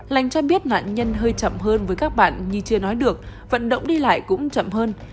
lành cho biết nạn nhân hơi chậm hơn với các bạn như chưa nói được vận động đi lại cũng chậm hơn